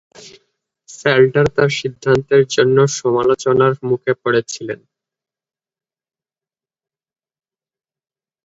স্যালটার তার সিদ্ধান্তের জন্য সমালোচনার মুখে পড়েছিলেন।